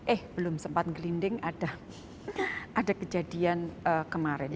eh belum sempat gelinding ada kejadian kemarin